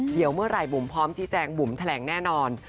เดี๋ยวเมื่อไหร่บุ๋มพร้อมชี้แจงบุ๋มแถลงแน่นอน